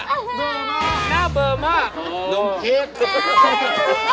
ก็แล้วหน้าเบอร์มากหน้าเบอร์มากโอ้โฮ